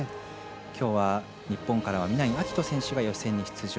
きょうは日本からは南井瑛翔選手が予選に出場。